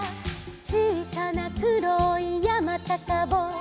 「ちいさなくろいやまたかぼう」